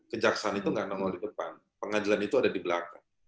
kejaksaan itu nggak nemul di depan pengadilan itu ada di belakang